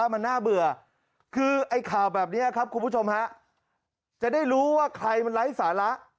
แบบนี้ครับคุณผู้ชมฮะจะได้รู้ว่าใครมันไร้สาระ